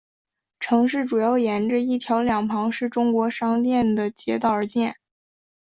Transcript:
城区主要沿着一条两旁是中国商店的街道而建。